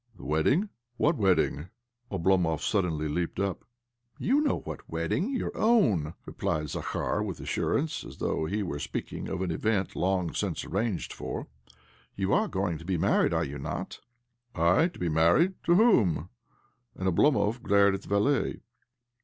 "The wedding? What wedding? " Oblo mov suddenly leaped up. " You know what wedding — your own," replied Zakhar with assurance, as though he were speaking of an event long since 2o6 OBLOMOV arranged for. " You are going to be married, are you not? "' 1 to be married? To whom?" And Oblomov glared at the valet.